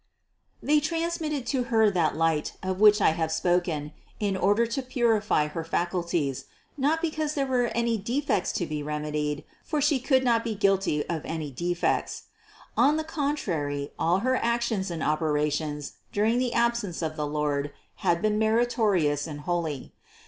733. They transmitted to Her that light, of which I have spoken (No. 625), in order to purify her faculties; not because there were any defects to be remedied, for She could not be guilty of any defects. On the contrary all her actions and operations during the absence of the Lord had been meritorious and holy.